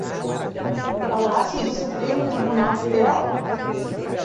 Palácio do Supremo Tribunal Federal